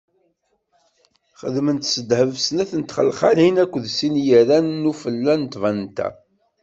Xedmen s ddheb snat n txelxalin akked sin n yiran n ufella n tbanta.